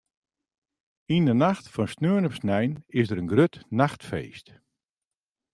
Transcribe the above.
Yn 'e nacht fan sneon op snein is der in grut nachtfeest.